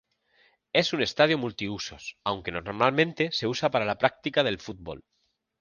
Es un estadio multiusos, aunque normalmente se usa para la práctica del fútbol.